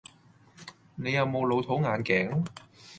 你有冇老土眼鏡?